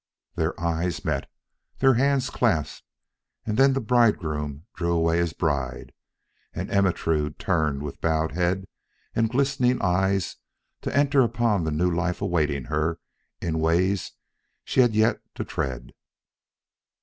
Their eyes met, their hands clasped; then the bridegroom drew away his bride, and Ermentrude turned with bowed head and glistening eyes, to enter upon the new life awaiting her in ways she had yet to tread.